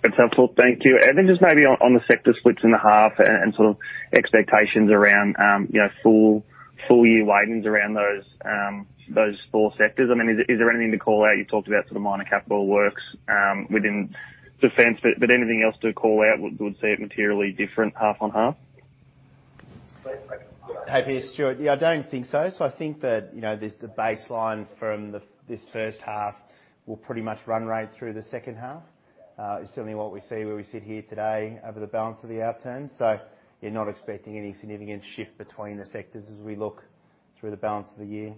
That's helpful. Thank you. And then just maybe on the sector splits in the half and sort of expectations around, you know, full year weightings around those four sectors. I mean, is there anything to call out? You talked about sort of minor capital works within defence, but anything else to call out that would say it materially different half on half? Hey, Piers, Stuart. Yeah, I don't think so. So I think that, you know, the baseline from this first half will pretty much run right through the second half. It's certainly what we see where we sit here today over the balance of the outturn. So you're not expecting any significant shift between the sectors as we look through the balance of the year.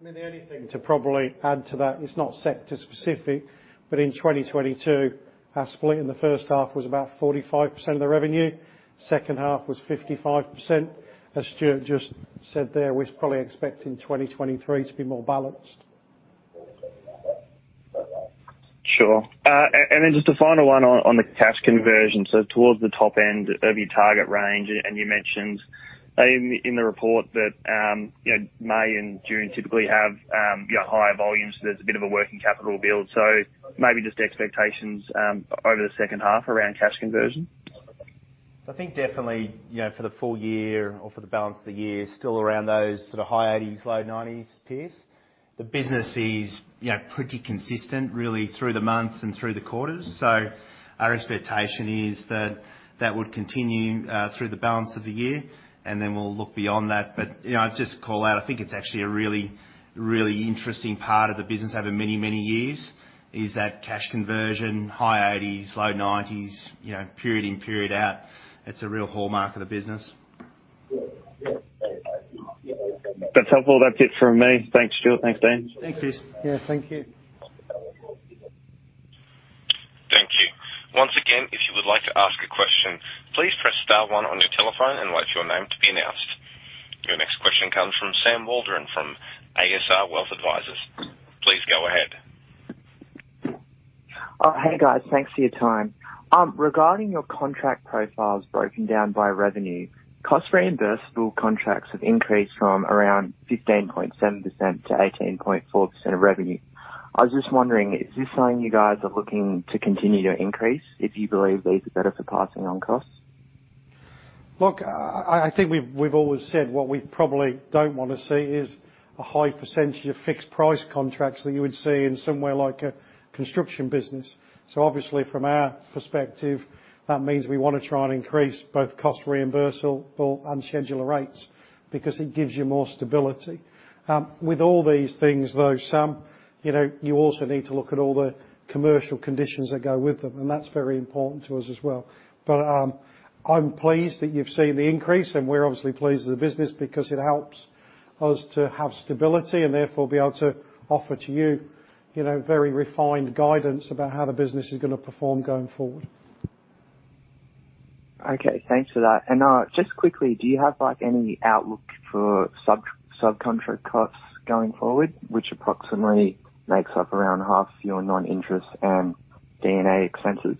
I mean, the only thing to probably add to that, it's not sector specific, but in 2022, our split in the first half was about 45% of the revenue, second half was 55%. As Stuart just said there, we're probably expecting 2023 to be more balanced. Sure. And then just a final one on the cash conversion. So towards the top end of your target range, and you mentioned in the report that you know, May and June typically have you know, higher volumes, there's a bit of a working capital build. So maybe just expectations over the second half around cash conversion. So I think definitely, you know, for the full year or for the balance of the year, still around those sort of high 80s, low 90s, Piers. The business is, you know, pretty consistent really through the months and through the quarters. So our expectation is that that would continue through the balance of the year, and then we'll look beyond that. But, you know, I'd just call out, I think it's actually a really, really interesting part of the business over many, many years, is that cash conversion, high 80s, low 90s, you know, period in, period out. It's a real hallmark of the business. That's helpful. That's it from me. Thanks, Stuart. Thanks, Dean. Thank you. Yeah, thank you. Thank you. Once again, if you would like to ask a question, please press star one on your telephone and wait for your name to be announced. Your next question comes from Sam Waldron, from ASR Wealth Advisers. Please go ahead. Hey, guys. Thanks for your time. Regarding your contract profiles broken down by revenue, cost reimbursable contracts have increased from around 15.7% to 18.4% of revenue. I was just wondering, is this something you guys are looking to continue to increase if you believe these are better for passing on costs? Look, I think we've always said what we probably don't want to see is a high percentage of fixed price contracts that you would see in somewhere like a construction business. So obviously from our perspective, that means we want to try and increase both cost reimbursable and schedule of rates because it gives you more stability. With all these things, though, Sam, you know, you also need to look at all the commercial conditions that go with them, and that's very important to us as well. But, I'm pleased that you've seen the increase, and we're obviously pleased with the business because it helps us to have stability and therefore be able to offer to you, you know, very refined guidance about how the business is going to perform going forward. Okay, thanks for that. Just quickly, do you have, like, any outlook for subcontractor costs going forward, which approximately makes up around half of your non-interest and D&A expenses?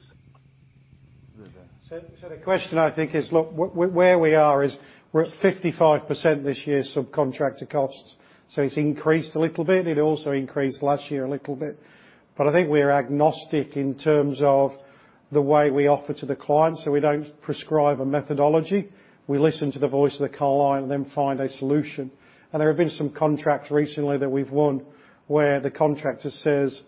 So the question, I think, is... Look, where we are is we're at 55% this year, subcontractor costs, so it's increased a little bit. It also increased last year a little bit. But I think we're agnostic in terms of the way we offer to the client. So we don't prescribe a methodology. We listen to the voice of the client and then find a solution. And there have been some contracts recently that we've won, where the contractor says,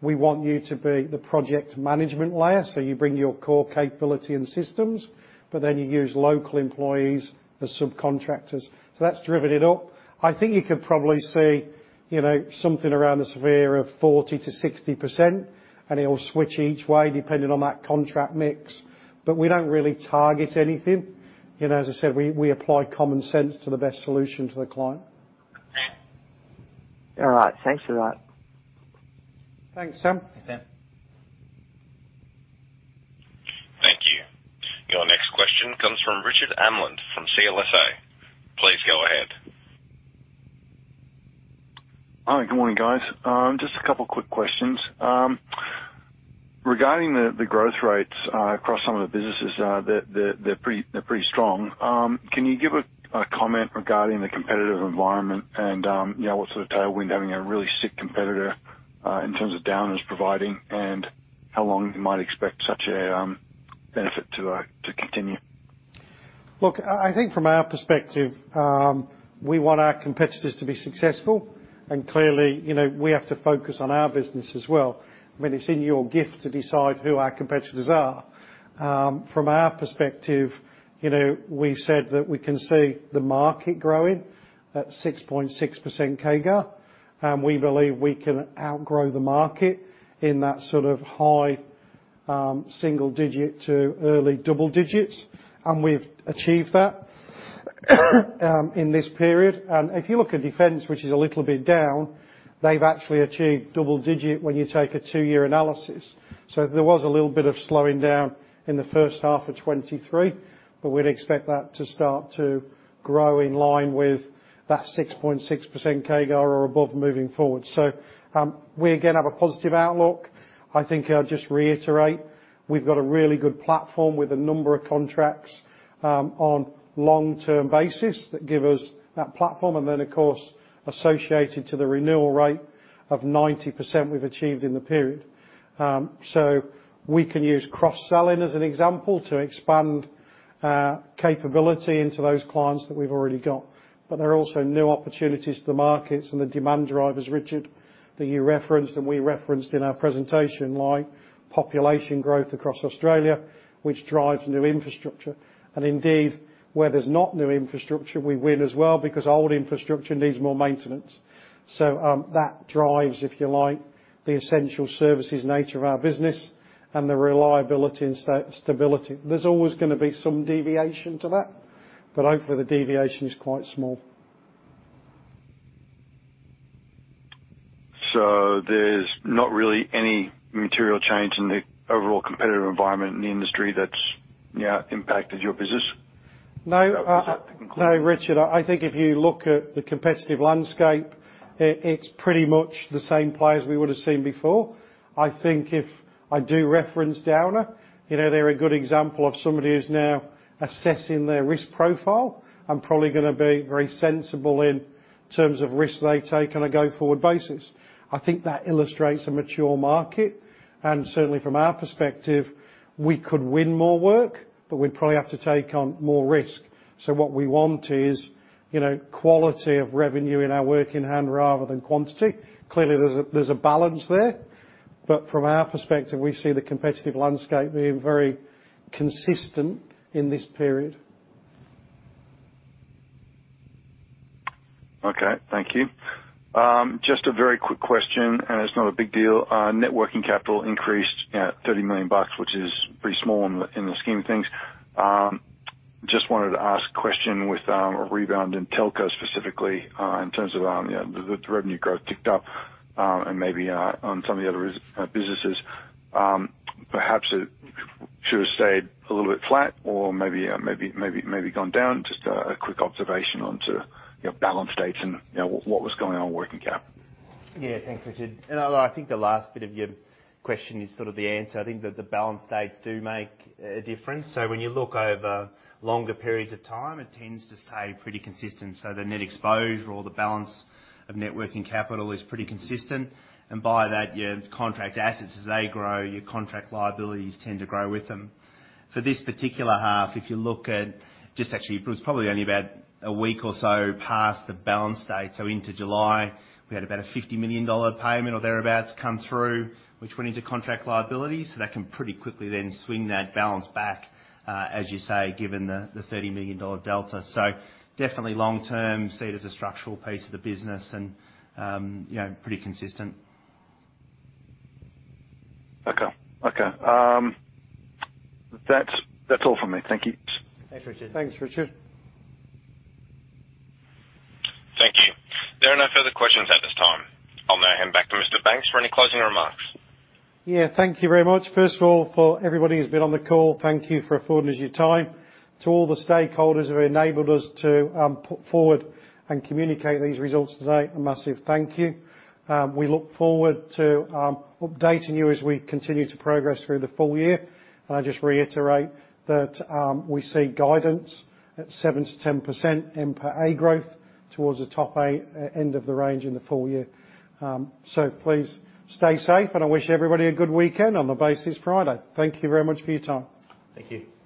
"We want you to be the project management layer, so you bring your core capability and systems, but then you use local employees as subcontractors." So that's driven it up. I think you could probably see, you know, something around the sphere of 40%-60%, and it will switch each way depending on that contract mix. But we don't really target anything. You know, as I said, we apply common sense to the best solution to the client.... All right, thanks for that. Thanks, Sam. Thanks, Sam. Thank you. Your next question comes from Richard Amland from CLSA. Please go ahead. Hi, good morning, guys. Just a couple quick questions. Regarding the growth rates across some of the businesses, they're pretty strong. Can you give a comment regarding the competitive environment and, you know, what sort of tailwind having a really sick competitor in terms of Downer's providing? And how long you might expect such a benefit to continue? Look, I, I think from our perspective, we want our competitors to be successful, and clearly, you know, we have to focus on our business as well. I mean, it's in your gift to decide who our competitors are. From our perspective, you know, we said that we can see the market growing at 6.6% CAGR, and we believe we can outgrow the market in that sort of high single digit to early double digits, and we've achieved that in this period. And if you look at defence, which is a little bit down, they've actually achieved double digit when you take a two-year analysis. So there was a little bit of slowing down in the first half of 2023, but we'd expect that to start to grow in line with that 6.6% CAGR or above moving forward. So, we again have a positive outlook. I think I'll just reiterate, we've got a really good platform with a number of contracts on long-term basis that give us that platform, and then, of course, associated to the renewal rate of 90% we've achieved in the period. So we can use cross-selling as an example to expand capability into those clients that we've already got. But there are also new opportunities to the markets and the demand drivers, Richard, that you referenced and we referenced in our presentation, like population growth across Australia, which drives new infrastructure. And indeed, where there's not new infrastructure, we win as well, because old infrastructure needs more maintenance. So, that drives, if you like, the essential services nature of our business and the reliability and stability. There's always gonna be some deviation to that, but hopefully the deviation is quite small. There's not really any material change in the overall competitive environment in the industry that's, you know, impacted your business? No, no, Richard. I think if you look at the competitive landscape, it, it's pretty much the same players we would've seen before. I think if I do reference Downer, you know, they're a good example of somebody who's now assessing their risk profile and probably gonna be very sensible in terms of risks they take on a go-forward basis. I think that illustrates a mature market, and certainly from our perspective, we could win more work, but we'd probably have to take on more risk. So what we want is, you know, quality of revenue in our work in hand rather than quantity. Clearly, there's a, there's a balance there, but from our perspective, we see the competitive landscape being very consistent in this period. Okay, thank you. Just a very quick question, and it's not a big deal. Net working capital increased at 30 million bucks, which is pretty small in the, in the scheme of things. Just wanted to ask a question with, a rebound in telco specifically, in terms of, you know, the, the revenue growth ticked up, and maybe, on some of the other res- businesses. Perhaps it should have stayed a little bit flat or maybe, maybe, maybe gone down. Just a, a quick observation onto, you know, balance dates and, you know, what was going on with working cap. Yeah. Thanks, Richard. And I think the last bit of your question is sort of the answer. I think that the balance dates do make a difference. So when you look over longer periods of time, it tends to stay pretty consistent. So the net exposure or the balance of net working capital is pretty consistent, and by that, your contract assets, as they grow, your contract liabilities tend to grow with them. For this particular half, if you look at just actually. It was probably only about a week or so past the balance date. So into July, we had about a 50 million dollar payment or thereabouts come through, which went into contract liability. So that can pretty quickly then swing that balance back, as you say, given the thirty million dollar delta. So definitely long term, see it as a structural piece of the business and, you know, pretty consistent. Okay. Okay, that's, that's all for me. Thank you. Thanks, Richard. Thanks, Richard. Thank you. There are no further questions at this time. I'll now hand back to Mr. Banks for any closing remarks. Yeah, thank you very much. First of all, for everybody who's been on the call, thank you for affording us your time. To all the stakeholders who enabled us to put forward and communicate these results today, a massive thank you. We look forward to updating you as we continue to progress through the full year. I just reiterate that we see guidance at 7%-10% NPAT growth towards the top eight end of the range in the full year. So please stay safe, and I wish everybody a good weekend on the basis Friday. Thank you very much for your time. Thank you.